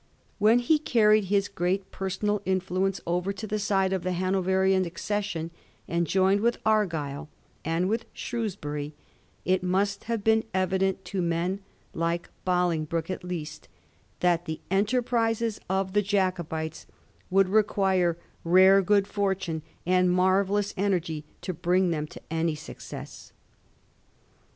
When he carried his great personal influence over to the side of the Hanoverian accession, and Joined with Argyll and with Shrewsbury, it must have been evident, to men like Bolingbroke at least, that the enterprises of the Jacobites would require rare good fortune and marvellous energy to bring them to any success.